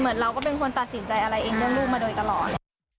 เราก็เป็นคนตัดสินใจอะไรเองเรื่องลูกมาโดยตลอด